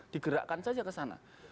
digerakkan saja ke sana